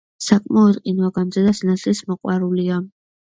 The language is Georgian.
საკმაოდ ყინვაგამძლე და სინათლის მოყვარულია.